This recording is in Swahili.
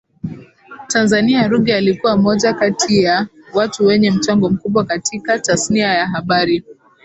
Tanzania Ruge alikua moja kati ya watu wenye mchango mkubwa katika tasnia ya habari